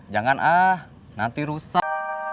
jangan ah nanti rusak